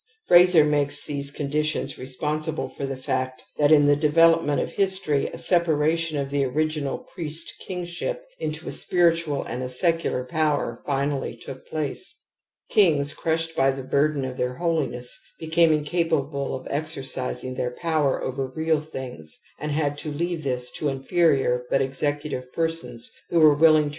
I Frazer makes these conditions responsible for the fact that in the development of history a / separationof theQriffinaljDriest kinffship into a spiritual and a secular power finally took place, ings, crushea by the burdenoitheir holiness, became incapable of exercising their power over real things and had to leave this to inferior but executive persons who were willing to renounce A.